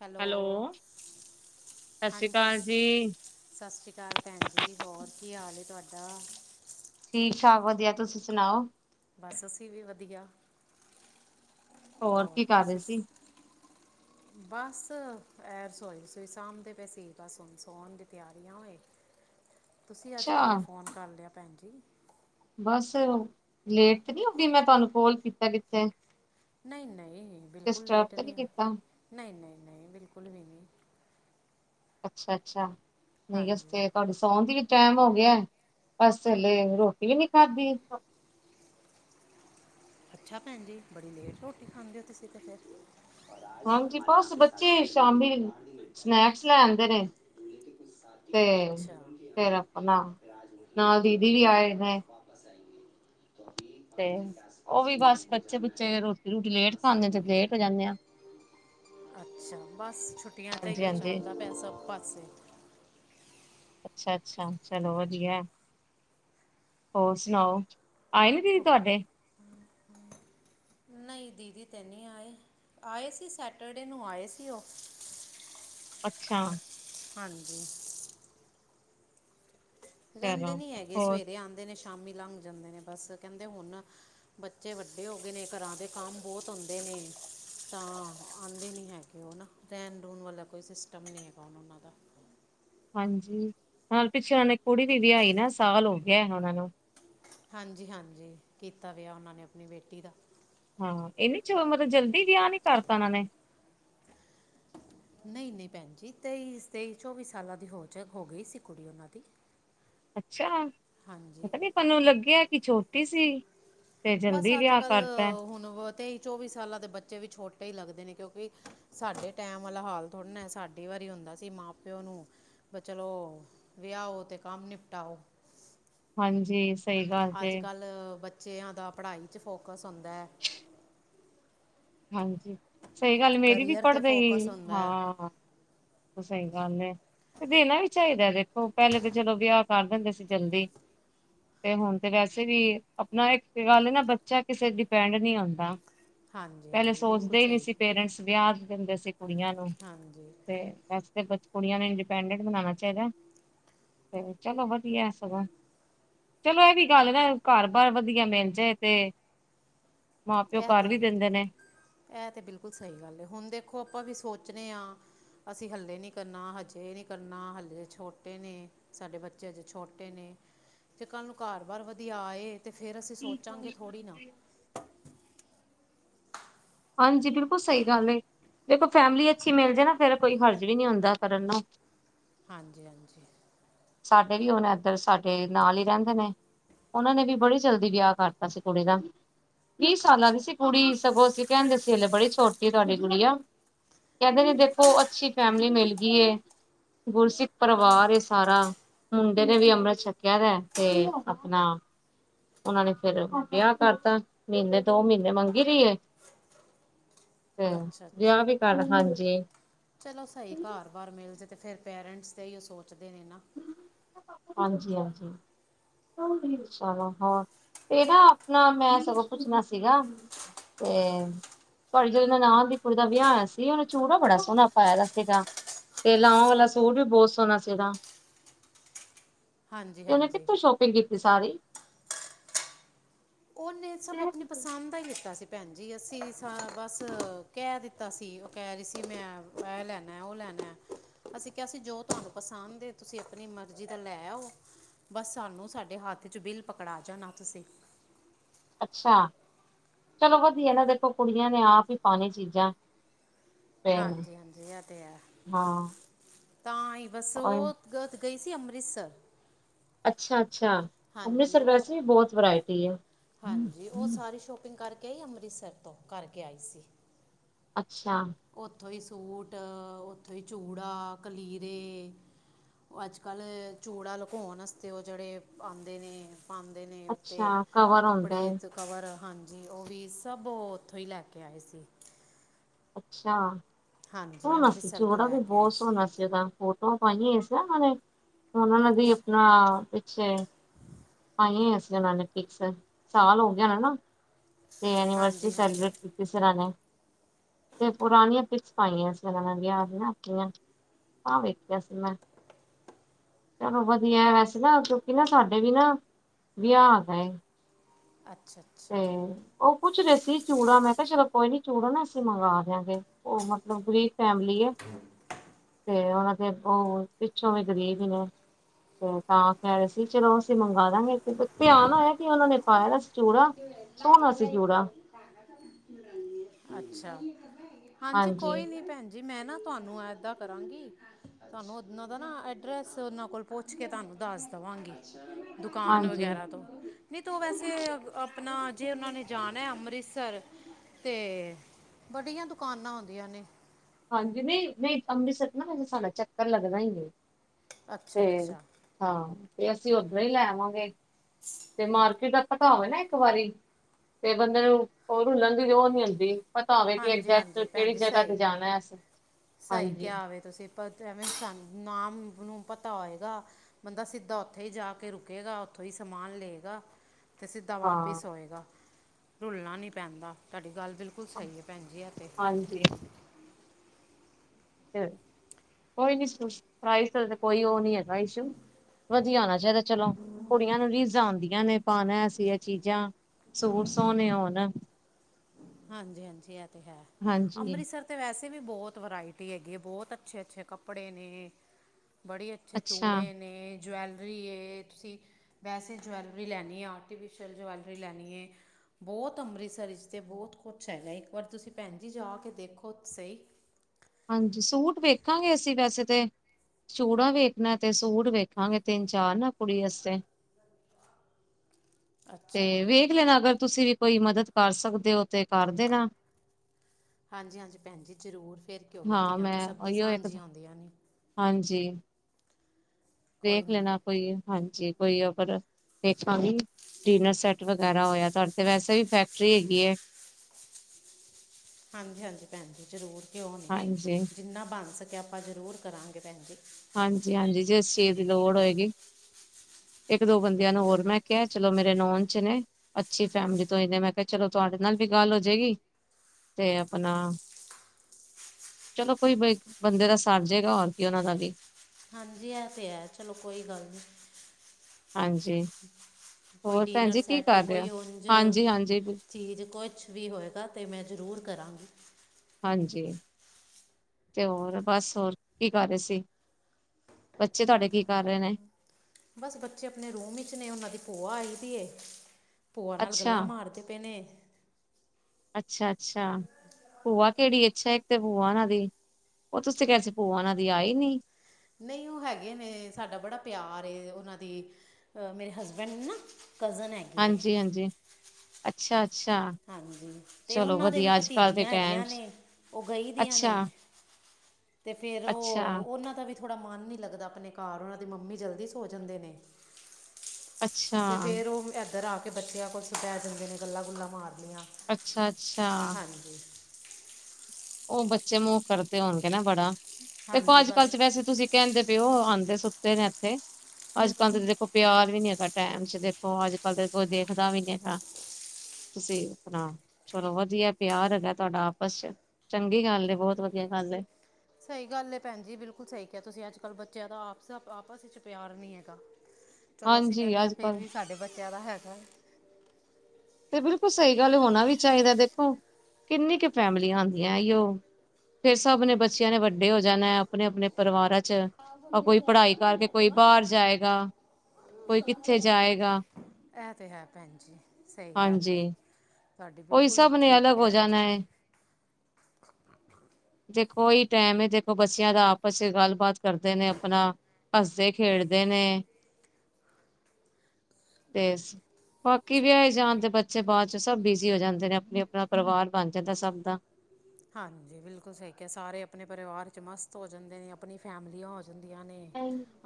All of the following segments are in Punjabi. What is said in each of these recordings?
ਹੈਲੋ ਸਤਿ ਸ੍ਰੀ ਹਾਂਜੀ ਅਕਾਲ ਜੀ। ਸਤਿ ਸ਼੍ਰੀ ਅਕਾਲ ਭੈਣ ਜੀ, ਹੋਰ ਕੀ ਹਾਲ ਏ ਤੁਹਾਡਾ ਠੀਕ-ਠਾਕ ਵਧੀਆ, ਤੁਸੀਂ ਸੁਣਾਓ। ਬਸ ਅਸੀਂ ਵੀ ਵਧੀਆ, ਹੋਰ ਕੀ ਕਰ ਰਹੇ ਤੁਸੀਂ ਸੀ? ਬਸ ਇਹ ਰਸੋਈ-ਰਸੁਈ ਸਾਂਭਦੇ ਪਏ ਸੀ, ਹੁਣ ਸੋਣ ਦੀ ਤਿਆਰੀਆਂ ਹੋਏ ਤੁਸੀਂ ਅੱਜ ਅੱਛਾ, ਕਿਵੇਂ ਫ਼ੋਨ ਕਰ ਲਿਆ, ਭੈਣ ਜੀ। ਬਸ ਲੇਟ ਤੇ ਨੀ ਹੋਗੀ, ਮੈਂ ਤੁਹਾਨੂੰ ਕੋਲ ਕੀਤਾ ਕਿੱਥੇ? ਨਈ-ਨਈ, ਬਿਲਕੁਲ ਡਿਸਟਰਬ ਲੇਟ ਤੇ ਨੀ ਨਈ-ਨਈ, ਕੀਤਾ? ਨਈ-ਨਈ, ਬਿਲਕੁਲ ਵੀ ਨਈ। ਅੱਛਾ-ਅੱਛਾ ਨਹੀਂ ਵਸ ਹਾਂਜੀ ਤੇ ਤੁਹਾਡੀ ਸੌਂ ਦੀ ਟੈਮ ਹੋ ਗਿਆ, ਬਸ ਲੇ ਰੋਟੀ ਈ ਨੀ ਖਾਧੀ। ਅੱਛਾ ਭੈਣ ਜੀ, ਬੜੀ ਲੇਟ ਰੋਟੀ ਖਾਂਦੇ ਓ ਤੁਸੀਂ ਤਾਂ ਫਿਰ। ਹਾਂਜੀ, ਬਸ ਬੱਚੇ ਸ਼ਾਮੀ ਸਨੈਕਸ ਲੈ ਆਂਦੇ ਨੇ ਤੇ [inaudible] ਅੱਛਾ। ਫੇਰ ਆਪਣਾ ਨਾਲ ਦੀਦੀ ਵੀ ਆਏ ਨੇ [inaudible] ਤੇ ਓ ਵੀ ਬਸ ਬੱਚੇ-ਬੁੱਚੇ ਰੋਟੀ-ਰੂਟੀ ਲੇਟ ਖਾਂਦੇ ਆ, ਤੇ ਲੇਟ ਹੋ ਜਾਂਦੇ ਆ। ਅੱਛਾ, ਬਸ ਛੁੱਟੀਆਂ'ਚ ਐਈਓ ਹਾਂਜੀ-ਹਾਂਜੀ। ਚੱਲਦਾ ਪਿਆ ਸਭ ਪਾਸੇ। ਅੱਛਾ-ਅੱਛਾ, ਚਲੋ ਵਧੀਆ। ਹੋਰ ਸੁਣਾਓ, ਆਏ ਨੀ ਦੀਦੀ ਤੁਆਡੇ? ਨਈ ਦੀਦੀ ਤਾਂ ਨੀ ਆਏ, ਆਏ ਸੀ ਸੈਟਰਡੇ ਨੂੰ ਆਏ ਸੀ ਓ। ਅੱਛਾ। ਹਾਂਜੀ। ਰਹਿੰਦੇ ਚਲੋ ਨੀ ਹੈਗੇ, ਹੋਰ ਸਵੇਰੇ ਆਂਦੇ ਨੇ ਸ਼ਾਮੀ ਲੰਘ ਜਾਂਦੇ ਨੇ, ਬਸ ਕਹਿੰਦੇ ਹੁਨ ਬੱਚੇ ਵੱਡੇ ਹੋ ਗਏ ਨੇ, ਘਰਾਂ ਦੇ ਕੰਮ ਬੋਤ ਹੁੰਦੇ ਨੇ। ਤਾਂ ਆਂਦੇ ਨੀ ਹੈਗੇ ਓ ਨਾ, ਰੈਣ-ਰੂਣ ਵਾਲਾ ਕੋਈ ਸਿਸਟਮ ਨੀ ਹੈਗਾ ਹੁਣ ਓਨਾਂ ਦਾ। ਹਾਂਜੀ, ਨਾਲ ਪਿੱਛੇ ਓਨੇ ਕੁੜੀ ਵੀ ਵਿਆਈ ਨਾ ਸਾਲ ਹੋ ਗਿਆ, ਓਨਾਂ ਨੂੰ। ਹਾਂਜੀ-ਹਾਂਜੀ, ਕੀਤਾ ਵਿਆਹ ਓਨਾਂ ਨੇ ਆਪਣੀ ਬੇਟੀ ਦਾ। ਹਾਂ, ਏਨੀ'ਚ ਉਮਰ ਜਲਦੀ ਵਿਆਹ ਨੀ ਕਰਤਾ ਓਨਾਂ ਨੇ। ਨਈ-ਨਈ ਭੈਣ ਜੀ, ਤੇਈ, ਤੇਈ-ਚੌਵੀ ਸਾਲਾਂ ਦੀ ਹੋ ਗਈ ਸੀ ਕੁੜੀ ਓਨਾਂ ਦੀ। ਅੱਛਾ? ਹਾਂਜੀ। ਸਾਨੂੰ ਲੱਗਿਆ ਕਿ ਛੋਟੀ ਸੀ। ਤੇ ਬਸ ਜਲਦੀ ਵਿਆਹ ਕਰਤਾ ਅੱਜਕੱਲ੍ਹ ਹੁਣ ਤੇ ਚੌਵੀ ਸਾਲਾਂ ਦੇ ਬੱਚੇ ਵੀ ਛੋਟੇ ਈ ਲੱਗਦੇ ਨੇ, ਕਿਉਂਕਿ ਸਾਡੇ ਟੈਮ ਆਲਾ ਹਾਲ ਥੋੜ੍ਹਾ ਨਾ ਸਾਡਾ ਵਾਰੀ ਹੁੰਦਾ ਸੀ, ਮਾਂ-ਪਿਓ ਨੂੰ ਵੀ ਚਲੋ ਵਿਆਓ, ਤੇ ਕੰਮ ਨਿਪਟਾਓ। ਹਾਂਜੀ। ਸਹੀ ਗੱਲ ਜੇ ਅੱਜਕੱਲ੍ਹ ਬੱਚਿਆਂ ਦਾ ਪੜ੍ਹਾਈ'ਚ ਫੋਕਸ ਹੁੰਦਾ ਐ। ਹਾਂਜੀ ਸਹੀ ਗੱਲ ਏ ਮੇਰੀ ਵੀ ਕਰੀਅਰ ਤੇ ਪੜਦੇ ਈ ਫੋਕਸ ਏ ਹੁੰਦਾ ਹੈ ਸਈ ਗੱਲ ਐ। ਦੇਣਾ ਵੀ ਚਾਹੀਦਾ ਦੇਖੋ, ਪਹਿਲੇ ਤੇ ਚਲੋ ਵਿਆਹ ਕਰ ਦਿੰਦੇ ਸੀ ਜਲਦੀ। ਤੇ ਹੁਣ ਤੇ ਵੈਸੇ ਵੀ, ਅਪਨਾ ਇੱਕ ਗੱਲ ਏ ਨਾ ਬੱਚਾ ਕਿਸੇ ਡਿਪੈਂਡ ਨੀ ਹੋਂਦਾ। ਹਾਂਜੀ ਪਹਿਲੇ ਹਾਂਜੀ ਬਿਲਕੁਲ ਸੋਚਦੇ ਨੀ ਸਹੀ ਸੀ ਪੇਰੈਂਟਸ ਵਿਆਹ ਦਿੰਦੇ ਸੀ ਕੁੜੀਆਂ ਨੂੰ। ਹਾਂਜੀ। ਤੇ ਕੁੜੀਆਂ ਨੂੰ ਇੰਡੀਪੈਂਡੈਂਟ ਬਣਾਣਾ ਚਾਈਦਾ ਤੇ ਚਲੋ ਵਧੀਆ ਏ ਸਗੋਂ, ਚਲੋ ਐ ਵੀ ਗਾਲ ਏ ਨਾ ਘਾਰ ਬਾਰ ਵਧੀਆ ਮਿਲ ਜਾਏ ਤੇ ਮਾਂ-ਪਿਓ ਕਰ ਵੀ ਦਿੰਦੇ ਨੇ। ਐ ਤਾਂ ਬਿਲਕੁਲ ਸਹੀ ਗੱਲਏ, ਹੁਣ ਦੇਖੋ ਆਪਾਂ ਵੀ ਸੋਚ ਰੇਆਂ ਅਸੀਂ ਹੱਲੇ ਨਈ ਕਰਨਾ, ਹਜੇ ਨਈ ਕਰਨਾ, ਹੱਲੇ ਛੋਟੇ ਨੇ। ਸਾਡੇ ਬੱਚੇ ਅਜੇ ਛੋਟੇ ਨੇ, ਜੇ ਕੱਲ ਨੂੰ ਘਰ ਬਾਰ ਵਧੀਆ ਆਏ- ਤੇ, ਫਿਰ ਅਸੀਂ ਸੋਚਾਂਗੇ ਥੋੜ੍ਹੀ ਨਾ। ਹਾਂਜੀ, ਬਿਲਕੁਲ ਸਹੀ ਗੱਲ ਏ ਦੇਖੋ, ਫੈਮਿਲੀ ਅੱਛੀ ਮਿਲ ਜੇ ਨਾ ਫੇਰ ਕੋਈ ਹਰਜ਼ ਵੀ ਨੀ ਹੁੰਦਾ ਕਰਨ ਨੂੰ। ਹਾਂਜੀ-ਹਾਂਜੀ। ਸਾਡੇ ਵੀ ਹੁਣ ਏਧਰ ਸਾਡੇ ਨਾਲ ਈ ਰੈਂਦੇ ਨੇ। ਓਨਾਂ ਨੇ ਵੀ ਬੜੀ ਜਲਦੀ ਵਿਆਹ ਕਰਤਾ ਸੀ ਕੁੜੀ ਦਾ ਵੀਹ ਸਾਲਾਂ ਦੀ ਅੱਛਾ ਸੀ ਕੁੜੀ ਸਗੋਂ ਅਸੀ ਕੈਂਦੇ ਸੀ ਹਲੇ ਬੜੀ ਛੋਟੀ ਤੁਆਡੀ ਗੁੜੀਆ। ਕੈਂਦੇ ਨੇ ਦੇਖੋ ਅੱਛੀ ਫੈਮਲੀ ਮਿਲ ਗੀ ਏ ਗੁਰਸਿੱਖ ਪਰਿਵਾਰ ਏ ਸਾਰਾ। ਮੁੰਡੇ ਨੇ ਵੀ ਅੰਮ੍ਰਿਤ ਛਕਿਆ ਹੋਇਆ ਤੇ ਆਪਨਾ ਉਨਾਂ ਨੇ ਫੇਰ ਵਿਆਹ ਕਰਤਾ ਮੀਨੇ ਦੋ ਮੀਨੇ ਮੰਗੀ ਰਈ ਏ। [inaudible] ਅੱਛਾ ਵਿਆਹ ਅੱਛਾ। ਵੀ ਕਰ ਹਾਂਜੀ ਚਲੋ ਸਈ ਘਰ ਬਾਰ ਮਿਲ ਜੇ ਤੇ ਫੇਰ ਪੇਰੇਂਟਸ ਤੇ ਇਓ ਸੋਚਦੇ ਨੇ ਨਾ। ਹਾਂਜੀ ਹਾਂਜੀ। ਏ ਨਾ ਆਪਣਾ ਮੈਂ ਸਗੋਂ ਪੁੱਛਣਾ ਸੀਗਾ। ਏ ਤੁਆਡੀ ਜਦੋ ਨਣਾਨ ਦੀ ਕੁੜੀ ਦਾ ਵਿਆਹ ਹੋਇਆ ਸੀ ਓਨੇ ਚੂੜਾ ਬੜਾ ਸੋਣਾ ਪਾਇਆ ਸੀਗਾ। ਤੇ ਲਾਓਂ ਵਾਲਾ ਸੂਟ ਵੀ ਬੌਤ ਸੋਣਾ ਸੀਗਾ। ਹਾਂਜੀ ਤੇ ਓਨੇ ਹਾਂਜੀ ਕਿੱਥੋਂ ਸ਼ੋਪਿੰਗ ਕੀਤੀ ਸਾਰੀ। ਓਨੇ ਸਭ ਆਪਨੀ ਪਸੰਦ ਦਾ ਈ ਲੀਤਾ ਸੀ ਭੈਣ ਜੀ ਅਸੀ ਵੀ ਸਾਰਾ ਬਸ। ਕੈ ਦਿੱਤਾ ਸੀ ਓ ਕੈ ਰੀ ਸੀ ਮੈਂ ਐ ਲੈਨਾ ਓ ਲੈਨਾ। ਅਸੀ ਕਿਆ ਸੀ ਜੋ ਤਾਨੂੰ ਪਸੰਦ ਏ ਤੁਸੀ ਆਪਣੀ ਮਰਜੀ ਦਾ ਲੈ ਆਓ। ਬਸ ਸਾਨੂੰ ਸਾਡੇ ਹੱਥ ਚ ਬਿੱਲ ਪਕੜਾ ਜਾਣਾ ਤੁਸੀ। ਅੱਛਾ ਚਲੋ ਵਧੀਆ ਨਾ ਦੇਖੋ ਕੁੜੀਆਂ ਨੇ ਆਪ ਈ ਪਾਨੀ ਚੀਜਾਂ। ਹਾਂਜੀ, ਹਾਂਜੀ ਐ ਤੇ ਹੈ। ਹਾਂ ਤਾਂ ਹੀ ਬਸ ਓਹੀ ਓ ਗਤ ਗਈ ਸੀ ਅੰਮ੍ਰਿਤਸਰ। ਅੱਛਾ ਅੱਛਾ। ਹਾਂਜੀ ਅੰਮ੍ਰਿਤਸਰ ਓ, ਵੈਸੇ ਵੀ ਬਹੁਤ ਵਰਾਇਟੀ ਹੈ ਹਾਂਜੀ ਓ ਸਾਰੀ ਸ਼ੋਪਿੰਗ ਕਰ ਗਈ ਅੰਮ੍ਰਿਤਸਰ ਤੋਂ ਕਰਕੇ ਆਈ ਸੀ। ਅੱਛਾ। ਓਥੋਂ ਈ ਸੂਟ, ਓਥੋਂ ਈ ਚੂੜਾ, ਕਲੀਰੇ ਓ ਅੱਜ ਕੱਲ੍ਹ ਚੂੜਾ ਲੁਕੋਨ ਆਸਤੇ ਓ ਜੇੜੇ ਆਂਦੇ ਨੇ ਪਾਂਦੇ ਨੇ ਉੱਤੇ ਅੱਛਾ ਕਵਰ ਹੁੰਦਾ ਕੱਪੜੇ ਏ ਕਵਰ ਹਾਂਜੀ ਓ ਵੀ ਸਭ ਓ ਓਥੋਂ ਈ ਲੈ ਕੇ ਆਏ ਸੀ। ਅੱਛਾ ਹਾਂਜੀ ਸੋਣਾ ਸੀ ਅੰਮ੍ਰਿਤਸਰ ਤੋਂ ਚੂੜਾ ਵੀ ਲੈ ਕੇ ਆਏ ਬੌਤ ਸੋਣਾ ਸੀ। ਜਿਦਾਂ ਫੋਟੋਆਂ ਪਾਈਆਂ ਹੋਈਆਂ ਸੀ ਨਾ ਉਨਾਂ ਨੇ ਉਨਾਂ ਨੇ ਆਪਨਾ ਅੱਛਾ ਪਿੱਛੇ ਪਾਂਈਆਂ ਹੋਈਆਂ ਸੀ ਉਨਾਂ ਨੇ ਪਿਕਸ ਸਾਲ ਹੋ ਗਿਆ ਹੋਨਾ ਨਾ। ਤੇ ਐਨੀਵਰਸਰੀ ਹਾਂਜੀ ਹਾਂਜੀ ਸੈਲੀਬ੍ਰੇਟ ਕੀਤੀ ਸੀ ਓਨਾ ਨੇ। ਤੇ ਪੁਰਾਣੀਆਂ ਪਿਕਸ ਪਾਈਆਂ ਸੀ ਓਨਾ ਨੇ ਵਿਆਹ ਦੀਆਂ ਆਪਣੀਆਂ ਤਾਂ ਵੇਖਿਆ ਸੀ ਮੈ ਚਲੋ ਵਧੀਆ ਏ ਵੈਸੇ ਨਾ ਕਿਉਂਕਿ ਨਾ ਸਾਡੇ ਵੀ ਨਾ ਵਿਆਅ ਆ ਧਾ ਏ। ਅੱਛਾ ਤੇ ਅੱਛਾ। ਉਹ ਪੁੱਛ ਰੇ ਸੀ ਚੂੜਾ ਮੈਂ ਕਿਆ ਚਲੋ ਕੋਈ ਨੀ ਚੂੜਾ ਨਾ ਅਸੀ ਮੰਗਾ ਦਿਆਂਗੇ ਓ ਮਤਲਬ ਗਰੀਬ ਫੈਮਲੀ ਐ ਤੇ ਉਨਾਂ ਦੇ ਅੱਗੋਂ ਪਿੱਛੋਂ ਵੀ ਗ਼ਰੀਬ ਈ ਨੇ। ਤੇ ਤਾਂ ਕੈ ਰੇ ਸੀ ਚਲੋ ਅਸੀ ਮੰਗਾ ਦਾਂਗੇ ਧਿਆਨ ਆਇਆ ਕਿ ਉਨਾ ਨੇ ਪਾਇਆ ਹੋਇਆ ਸੀ ਚੂੜਾ। ਪੈਸਾ ਆਈ ਸੋਹਣਾ ਸੀ ਜਾਈ ਚੂੜਾ ਪਰ ਅੱਛਾ ਹਾਂਜੀ ਕੋਈ ਨੀ ਭੈਣ ਜ ਜੀ ਮੈਂ ਨਾ ਤੁਆਨੂੰ ਏਦਾਂ ਕਰਾਂਗੀ ਤਾਨੂੰ ਓਨਾਂ ਦਾ ਨਾ ਐਡਰੈਸ ਓਨਾਂ ਕੋਲ ਪੁੱਛ ਕੇ ਤਾਨੂੰ ਦੱਸ ਦਵਾਂਗੀ। ਅੱਛਾ ਦੁਕਾਨ ਹਾਂਜੀ ਵਗੈਰਾ ਤੋਂ ਨਹੀਂ ਤੂੰ ਵੈਸੇ ਆਪਣਾ ਜੇ ਉਹਨਾਂ ਨੇ ਜਾਣਾ ਅੰਮ੍ਰਿਤਸਰ ਤੇ ਬੜੀਆਂ ਦੁਕਾਨਾਂ ਆਉਂਦੀਆਂ ਨੇ। ਹਾਂਜੀ ਨਹੀਂ ਮੈਂ ਅੰਮ੍ਰਿਤਸਰ ਨਾ ਵੈਸੇ ਸਾਡਾ ਚੱਕਰ ਲੱਗਣਾ ਹੀ ਏ ਅੱਛਾ ਤੇ ਅੱਛਾ ਹਾਂ ਤੇ ਅਸੀਂ ਉੱਧਰੋਂ ਹੀ ਲੈਆਵਾਂਗੇ ਤੇ ਮਾਰਕੀਟ ਦਾ। ਪਤਾ ਹੋਵੇ ਨਾ ਇੱਕ ਵਾਰੀ ਤੇ ਬੰਦੇ ਨੂੰ ਉਹ ਰੁਲਣ ਦੀ ਉਹ ਨੀ ਹੁੰਦੀ ਪਤਾ ਹੋਵੇ ਕਿ ਹਾਂਜੀ ਐਗਜੈਕਟ ਹਾਂਜੀ ਭੈਣ ਕਿਹੜੀ ਜੀ ਜਗ੍ਹਾ ਤੇ ਸਹੀ ਜਾਣਾ ਏ ਸਹੀ ਕਿਆ ਵੇ ਤੁਸੀਂ ਪ ਐਵੇਂ ਸਾਨੂੰ ਨਾਮ ਨੂੰਮ ਪਤਾ ਹੋਏਗਾ ਬੰਦਾ ਸਿੱਧਾ ਉੱਥੇ ਹੀ ਜਾ ਕੇ ਰੁਕੇਗਾ ਉੱਥੋਂ ਹੀ ਸਮਾਨ ਲਏਗਾ ਅਤੇ ਸਿੱਧਾ ਹਾਂ ਵਾਪਿਸ ਹੋਏਗਾ ਰੁਲਣਾ ਨਹੀਂ ਪੈਂਦਾ ਤੁਹਾਡੀ ਗੱਲ ਬਿਲਕੁਲ ਸਈ ਏ ਭੈਣ ਜੀ ਏਹ ਤੇ ਹਾਂਜੀ ਫੇਰ ਕੋਈ ਨੀ ਪ੍ਰਾਈਜ਼ ਕੋਈ ਉਹ ਨਹੀਂ ਹੈ ਪ੍ਰਾਈਜ ਇਸ਼ੂ ਵਧੀਆ ਹੋਣਾ ਚਾਹੀਦਾ ਚਲੋ ਕੁੜੀਆਂ ਨੂੰ ਰੀਝਾਂ ਹੁੰਦੀਆ ਨੇ ਪਾਣਾ ਅਸੀ ਇਹ ਚੀਜ਼ਾਂ ਸੂਟ ਸੋਣੇ ਹੋਨ ਹਾਂਜੀ ਹਾਂਜੀ ਇਹ ਤੇ ਹੈ ਹਾਂਜੀ ਅੰਮ੍ਰਿਤਸਰ ਵੈਸੇ ਵੀ ਬਹੁਤ ਵਰਾਇਟੀ ਹੈਗੀ ਹੈ ਬਹੁਤ ਅੱਛੇ ਅੱਛੇ ਕੱਪੜੇ ਨੇ ਬੜੀ ਅੱਛੇ ਅੱਛਾ ਚੂੜੇ ਨੇ ਜਵੈਲਰੀ ਏ ਤੁਸੀਂ ਵੈਸੇ ਜਵੈਲਰੀ ਲੈਣੀ ਹੈ ਆਰਟੀਫਿਸ਼ਲ ਜਵੈਲਰੀ ਲੈਣੀ ਏ ਬਹੁਤ ਅੰਮ੍ਰਿਤਸਰ ਵਿੱਚ ਤੇ ਬਹੁਤ ਕੁਛ ਹੈਗਾ ਇੱਕ ਵਾਰ ਤੁਸੀਂ ਭੈਣ ਜੀ ਜਾ ਕੇ ਦੇਖੋ ਤੇ ਸਈ ਹਾਂਜੀ ਸੂਟ ਵੇਖਾਂਗੇ ਅਸੀਂ ਵੈਸੇ ਤੇ ਚੂੜਾ ਵੇਖਣਾ ਤੇ ਸੂਟ ਵੇਖਾਂਗੇ ਤਿੰਨ ਚਾਰ ਨਾ ਕੁੜੀ ਆਸਤੇ ਤੇ ਅੱਛਾ ਵੇਖ ਦੇਖ ਲੈਣਾ ਅਗਰ ਤੁਸੀਂ ਵੀ ਕੋਈ ਮਦਦ ਕਰ ਸਕਦੇ ਹੋ ਤੇ ਕਰ ਦੇਨਾ ਹਾਂਜੀ ਹਾਂਜੀ ਭੈਣ ਜੀ ਜ਼ਰੂਰ ਫਿਰ ਉਹ ਹਾਂ ਧੀਆਂ ਤੇ ਮੈਂ ਸਭ ਦੀ ਉਹੀਓ ਇੱਕ ਸਾਂਝੀਆਂ ਹੁੰਦੀਆਂ ਨੇ ਹਾਂਜੀ ਕੋਈ ਦੇਖ ਨੀ ਲੈਣਾ ਕੋਈ ਹਾਂਜੀ ਕੋਈ ਉਹ ਪਰ ਦੇਖਾਂਗੀ ਡਿਨਰ ਸੈੱਟ ਵਗੈਰਾ ਹੋਇਆ ਤਾਂ ਤੁਹਾਡੇ ਤੇ ਵੈਸੇ ਵੀ ਫੈਕਟਰੀ ਹੈਗੀ ਐ ਹਾਂਜੀ ਹਾਂਜੀ ਭੈਣ ਜੀ ਜ਼ਰੂਰ ਕਿਉਂ ਨੀ ਹਾਂਜੀ ਜਿੰਨਾ ਬਣ ਸਕਿਆ ਆਪਾਂ ਜ਼ਰੂਰ ਕਰਾਂਗੇ ਭੈਣ ਜੀ ਹਾਂਜੀ ਹਾਂਜੀ ਜਿਸ ਚੀਜ਼ ਦੀ ਲੋੜ ਹੋਏਗੀ ਇੱਕ ਦੋ ਬੰਦਿਆਂ ਨੂੰ ਹੋਰ ਮੈਂ ਕਿਹਾ ਚਲੋ ਮੇਰੇ ਨੋਨ ਚ ਨੇ ਅੱਛੀ ਫੈਮਲੀ ਤੋਂ ਇਹਨੇ ਮੈਂ ਕਿਹਾ ਚਲੋ ਤੁਹਾਡੇ ਨਾਲ ਵੀ ਗੱਲ ਹੋ ਜਾਏਗੀ ਤੇ ਆਪਣਾ ਚਲੋ ਕੋਈ ਬ ਬੰਦੇ ਦਾ ਸਰ ਜਾਏਗਾ ਹੋਰ ਕੀ ਉਨਾਂ ਦਾ ਵੀ ਹਾਂਜੀ ਇਹ ਤੇ ਹੈ ਚਲੋ ਕੋਈ ਗੱਲ ਨੀ ਹਾਂਜੀ ਕੋਈ ਹੋਰ ਭੈਣ ਡਿਨਰ ਜੀ ਕੀ ਸੈੱਟ ਕਰ ਰਿਹਾ ਕੋਈ ਉਂਝ ਹਾਂਜੀ ਹਾਂਜੀ ਚੀਜ਼ ਕੁਛ ਵੀ ਹੋਏਗਾ ਤੇ ਮੈਂ ਜ਼ਰੂਰ ਕਰਾਂਗੀ ਹਾਂਜੀ ਤੇ ਹੋਰ ਬਸ ਹੋਰ ਕੀ ਕਰ ਰਹੇ ਸੀ ਬੱਚੇ ਤੁਹਾਡੇ ਕੀ ਕਰ ਰਹੇ ਨੇ ਬਸ ਬੱਚੇ ਆਪਣੇ ਰੂਮ ਵਿੱਚ ਨੇ ਉਹਨਾਂ ਦੀ ਭੂਆ ਆਈ ਦੀ ਏ ਭੂਆ ਨਾਲ ਗੱਲਾਂ ਅੱਛਾ ਮਾਰਦੇ ਪਏ ਨੇ ਅੱਛਾ ਅੱਛਾ ਭੂਆ ਕਿਹੜੀ ਅੱਛਾ ਇੱਕ ਤੇ ਭੂਆ ਉਹਨਾਂ ਦੀ ਉਹ ਤੁਸੀ ਤੇ ਕਹਿ ਰਹੇ ਸੀ ਭੂਆ ਉਨਾ ਦੀ ਆਈ ਨੀ ਨਹੀਂ ਉਹ ਹੈਗੇ ਨੇ ਸਾਡਾ ਬੜਾ ਪਿਆਰ ਏ ਉਹਨਾਂ ਦੀ ਮੇਰੇ ਹਸਬੈਂਡ ਨੇ ਨਾ ਕਜ਼ਨ ਹੈ ਹਾਂਜੀ ਹਾਂਜੀ ਅੱਛਾ ਅੱਛਾ। ਹਾਂਜੀ ਤੇ ਉਹਨਾਂ ਦੇ ਵੀ ਦੇ ਭਤੀਜੀਆਂ ਟੈਮ ਹੈਗੀਆਂ ਚ ਨੇ ਉਹ ਗਈ ਦੀਆਂ ਨੇ। [inaudible] ਤੇ ਫੇਰ ਉਹ ਉਹਨਾਂ ਦਾ ਵੀ ਥੋੜ੍ਹਾ ਮਨ ਨਹੀਂ ਲੱਗਦਾ ਅਪਨੇ ਘਰ ਉਹਨਾਂ ਦੀ ਮੰਮੀ ਜਲਦੀ ਸੋ ਜਾਂਦੇ ਨੇ। ਅੱਛਾ, ਤੇ ਫੇਰ ਉਹ ਏਧਰ ਆ ਕੇ ਬੱਚਿਆਂ ਕੋਲ ਪੈ ਜਾਂਦੇ ਨੇ ਗੱਲਾਂ ਗੁੱਲਾਂ ਮਾਰ ਲਈਆਂ। ਅੱਛਾ ਅੱਛਾ। ਹਾਂਜੀ। ਉਹ ਬੱਚੇ ਮੂੰਹ ਕਰਦੇ ਹੋਨਗੇ ਨਾ ਬੜਾ ਦੇਖੋ ਹਾਂਜੀ ਅੱਜ ਕਲ ਬਸ ਚ ਵੈਸੇ ਤੁਸੀਂ ਕਹਿੰਦੇ ਪਏੳ ਆਂਦੇ ਸੁੱਤੇ ਨੇ ਏਥੇ। ਅੱਜਕੱਲ੍ਹ ਤੇ ਦੇਖੋ, ਪਿਆਰ ਵੀ ਨੀ ਹੈਗਾ ਟੈਮ'ਚ ਦੇਖੋ, ਅੱਜਕੱਲ੍ਹ ਦੇ ਕੋਈ ਦੇਖਦਾ ਵੀ ਨੀ ਹੈਗਾ। ਤੁਸੀਂ ਅਪਨਾ ਚਲੋ ਵਧੀਆ ਪਿਆਰ ਹੈਗਾ ਤੁਹਾਡਾ ਆਪਸ'ਚ। ਚੰਗੀ ਗੱਲ ਏ, ਬਹੁਤ ਵਧੀਆ ਗੱਲ ਏ। ਸਹੀ ਗੱਲ ਹੈ ਭੈਨ ਜੀ ਬਿਲਕੁਲ ਸਹੀ ਕਿਹਾ ਤੁਸੀਂ ਅੱਜਕੱਲ੍ਹ ਬੱਚਿਆਂ ਦਾ ਆਪਸ-ਆਪਸ ਚ ਪਿਆਰ ਨਹੀਂ ਹੈਗਾ। [inaudible] ਚਲੋ ਅਸੀਂ ਕਹਿੰਨੇ ਆ, ਅੱਜ ਫੇਰ ਕੱਲ ਵੀ ਸਾਡੇ ਬੱਚਿਆਂ ਦਾ ਹੈਗਾ। ਤੇ ਬਿਲਕੁਲ ਸਹੀ ਗੱਲ ਹੈ ਹੋਨਾ ਵੀ ਚਾਹੀਦਾ ਦੇਖੋ ਕਿੰਨੀ ਕੇ ਫੈਮਲੀਆਂ ਹੋਂਦੀਆਂ ਇਹੀੳ। ਫੇਰ ਸਭ ਨੇ ਬੱਚਿਆਂ ਨੇ ਵੱਡੇ ਹੋ ਜਾਨਾ ਅਪਨੇ-ਅਪਨੇ ਪਰਿਵਾਰਾਂ 'ਚ ਕੋਈ ਪੜ੍ਹਾਈ ਕਰਕੇ ਕੋਈ ਬਾਹਰ ਜਾਏਗਾ ਕੋਈ ਕਿੱਥੇ ਜਾਏਗਾ। ਇਹ ਤੇ ਹੈ ਭੈਨ ਜੀ, ਸਹੀ ਗੱਲ ਹਾਂਜੀ ਹੈ ਤੁਹਾਡੀ ਉਹੀ ਬਿਲਕੁਲ ਸਭ ਨੇ ਠੀਕ ਅਲੱਗ ਹੋ ਕਹਿ ਰਹੇ ਜਾਣਾ ਤੁਸੀਂ। ਹੈ ਦੇਖੋ ਏਹੀ ਟਾਈਮ ਹੈ ਦੇਖੋ ਬੱਚਿਆਂ ਦਾ ਆਪਸ'ਚ ਗੱਲਬਾਤ ਕਰਦੇ ਨੇ ਅਪਨਾ ਹੱਸਦੇ-ਖੇਡਦੇ ਨੇ। ਤੇ ਬਾਕੀ ਵਿਆਏ ਜਾਨ ਤੇ ਬੱਚੇ ਬਾਅਦ'ਚ ਸਭ ਬੀਜ਼ ਬਿਜੀ ਹੋ ਜਾਂਦੇ ਨੇ ਅਪਨੇ-ਅਪਨਾ ਪਰਿਵਾਰ ਬਨ ਜਾਂਦਾ ਸਭ ਦਾ। ਹਾਂਜੀ ਬਿਲਕੁਲ ਸਹੀ ਕਿਹਾ ਸਾਰੇ ਅਪਨੇ ਪਰਿਵਾਰ'ਚ ਮਸਤ ਹੋ ਜਾਂਦੇ ਨੇ ਅਪਨੀ ਫੈਮਲੀਆਂ ਹੋ ਜਾਂਦੀਆਂ ਨੇ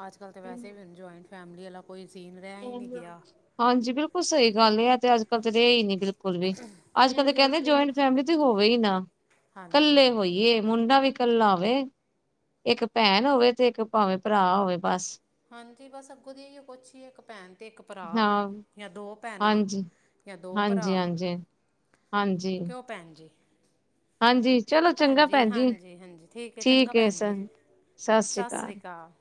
ਅੱਜਕੱਲ੍ਹ ਤੇ ਵੈਸੇ ਵੀ ਹੁਨ ਜੁਆਇੰਟ ਫੈਮਲੀ ਆਲਾ ਕੋਈ ਸੀਨ ਰਹਿ ਹੀ ਨਹੀਂ ਗਿਆ। ਹਾਂਜੀ, ਬਿਲਕੁਲ ਸਹੀ ਗਲ ਏ ਇਹ ਤੇ ਅੱਜ ਕੱਲ ਤੇ ਰਿਹਾ ਹੀ ਨਹੀਂ ਬਿਲਕੁਲ ਵੀ। ਅੱਜਕੱਲ੍ਹ ਤਾਂ ਕਹਿੰਦੇ ਜੁਆਇੰਟ ਫੈਮਲੀ ਤੇ ਹੋਵੇ ਹੀ ਨਾ ਹਾਂਜੀ ਕੱਲੇ ਹਾਂਜੀ ਹੋਈਏ ਮੁੰਡਾ ਵੀ ਕੱਲਾ ਹੋਵੇ ਇੱਕ ਭੈਨ ਹੋਵੇ ਤੇ ਇੱਕ ਭਾਵੇਂ ਭਰਾ ਹੋਵੇ ਬਸ। ਹਾਂਜੀ ਬਸ ਅੱਗੋਂ ਤੇ ਏਹੀ ਕੁਛ ਹੀ ਏ ਇੱਕ ਭੈਨ ਤੇ ਇੱਕ ਭਰਾ ਹਾਂ ਯਾ ਦੋ ਭੈਨਾ ਹਾਂਜੀ। ਯਾ ਦੋ ਭਰਾ। ਹਾਂਜੀ-ਹਾਂਜੀ, ਹਾਂਜੀ। ਹਾਂਜੀ। ਭੈਨ ਜੀ ਹਾਂਜੀ ਚਲੋ ਭੈਨ ਚੰਗਾ ਜੀ ਭੈਣ ਹਾਂਜੀ-ਹਾਂਜੀ ਠੀਕ ਹੈ ਚੰਗਾ ਏ ਭੈਨ ਸ ਜੀ। ਸਤਿ ਸ੍ਰੀ ਸ਼੍ਰੀ ਕਾਲ। ਅਕਾਲ